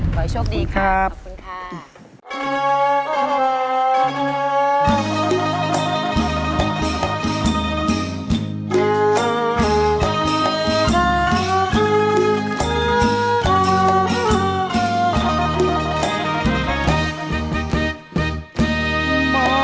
ขอให้โชคดีครับขอบคุณค่ะ